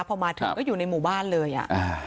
พอมาถึงก็อยู่ในหมู่บ้านเลยอ่ะอ่า